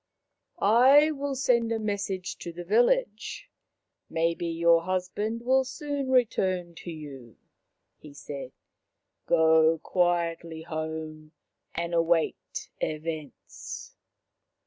" I will send a message to the village ; may be your husband will soon return to you," he said. " Go quietly home and await events."